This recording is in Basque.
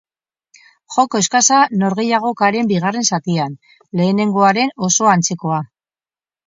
Joko eskasa norgehiagokaren bigarren zatian, lehenengoaren oso antzekoa.